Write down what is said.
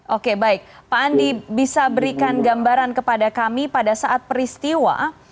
oke baik pak andi bisa berikan gambaran kepada kami pada saat peristiwa